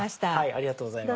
ありがとうございます。